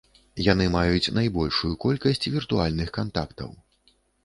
Яны маюць найбольшую колькасць віртуальных кантактаў.